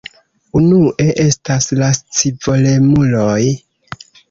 Unue estas la scivolemuloj.